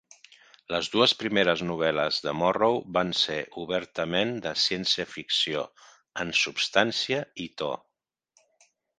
Les dues primeres novel·les de Morrow van ser obertament de ciència-ficció en substància i to.